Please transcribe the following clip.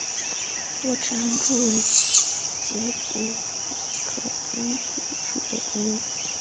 多齿安蛛为栉足蛛科安蛛属的动物。